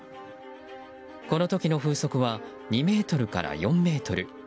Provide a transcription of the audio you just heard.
この時の風速は２メートルから４メートル。